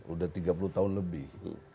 udah tiga puluh tahun lebih